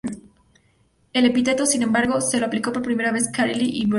El epíteto, sin embargo, se lo aplicó por primera vez Carlyle a Byron.